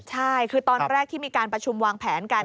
ใช่คือตอนแรกที่มีการประชุมวางแผนกัน